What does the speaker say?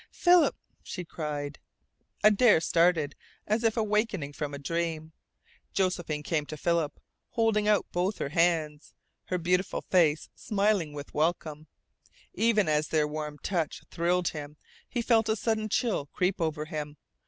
"Philip!" she cried. Adare started, as if awakening from a dream. Josephine came to Philip, holding out both her hands, her beautiful face smiling with welcome. Even as their warm touch thrilled him he felt a sudden chill creep over him.